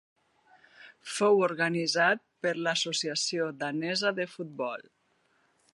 Fou organitzat per l'Associació Danesa de Futbol.